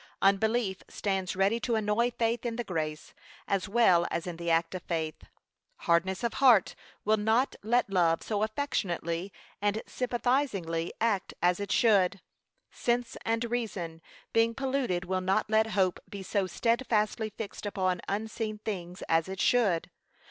Unbelief stands ready to annoy faith in the grace, as well as in the act of faith. Hardness of heart will not let love so affectionately and sympathisingly act as it should. Sense and reason being polluted will not let hope be so steadfastly fixed upon unseen things as it should.